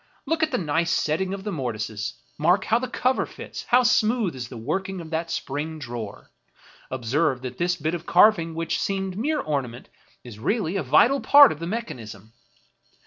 Look at the nice setting of the mortises ; mark how the cover fits ; how smooth is the working of that spring drawer. Observe that this bit of carving, which seemed mere ornament, is really a vital part of the mechan ism.